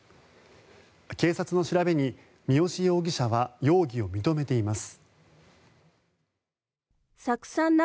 警察の調べに、三好容疑者は容疑を認めています。